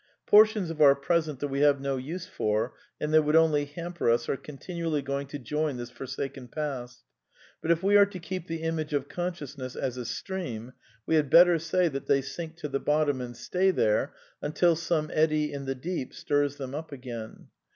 Portions of our present that we have no use for and that would only hamper us are continually going to join this forsaken past. But if we are to keep the image of con sciousness as a " stream " we had better, say that they sink to the bottom and stay there until some eddy in the deep stirs them up again.